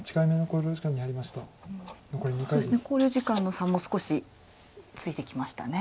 考慮時間の差も少しついてきましたね。